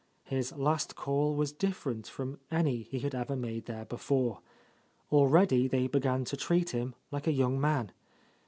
His last call was different from any he had ever made there before. Already they began to treat him like a young man.